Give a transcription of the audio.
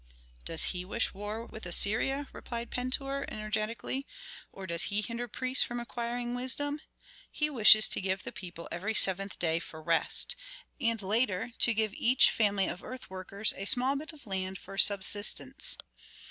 "Does he wish war with Assyria," replied Pentuer, energetically, "or does he hinder priests from acquiring wisdom? He wishes to give the people every seventh day for rest, and later to give each family of earth workers a small bit of land for subsistence.